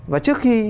và trước khi